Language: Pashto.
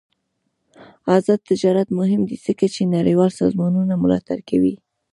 آزاد تجارت مهم دی ځکه چې نړیوال سازمانونه ملاتړ کوي.